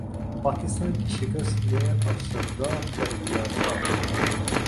پاکستان کی شکست نے افسردہ کردیا تھا